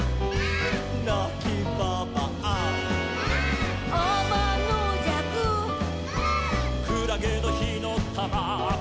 「なきばばあ」「」「あまのじゃく」「」「くらげのひのたま」「」